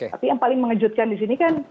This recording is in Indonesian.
tapi yang paling mengejutkan di sini kan